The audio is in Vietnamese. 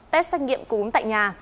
tết xét nghiệm cúm tại nhà